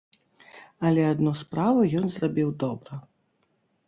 Але адну справу ён зрабіў добра.